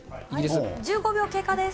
１５秒経過です。